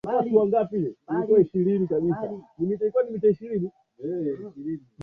Kompyuta ni tarakilishi.